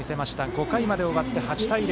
５回まで終わって８対０。